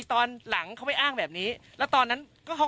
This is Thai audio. ก็ตอบได้คำเดียวนะครับ